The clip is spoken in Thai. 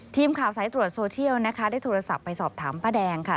ทีมข่าวสายตรวจโซเชียลนะคะได้โทรศัพท์ไปสอบถามป้าแดงค่ะ